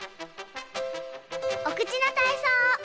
おくちのたいそう。